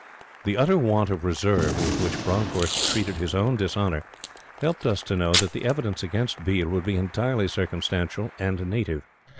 The utter want of reserve with which Bronckhorst treated his own dishonor helped us to know that the evidence against Biel would be entirely circumstantial and native.